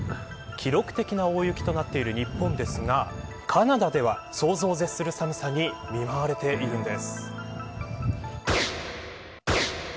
記録的な大雪となっている日本ですがカナダでは想像を絶する寒さに見舞われているんです。